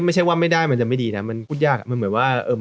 ไม่ใช่ว่าไม่ได้มันจะไม่ดีนะ